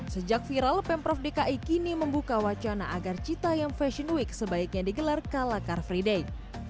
sejak viral pemprov dki kini membuka wacana agar cita yem fashion week sebaiknya digelar kalakar free day